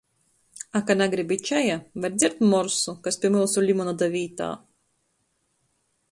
A ka nagribit čaja, var dzert morsu, kas pi myusu limonada vītā.